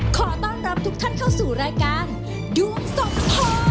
ขอต้อนรับทุกท่านเข้าสู่รายการดวงสมทอ